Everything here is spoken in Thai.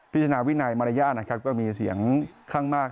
พิจารณาวินายมารยาทร์มีเสียงคร่างมาก